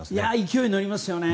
勢い乗りますね。